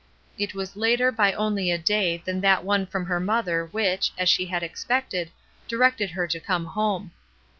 It was later by only a day than that one from her mother which, as she had expected, directed her to come home.